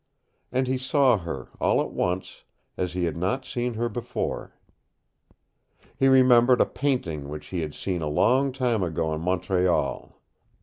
And he saw her, all at once, as he had not seen her before. He remembered a painting which he had seen a long time ago in Montreal.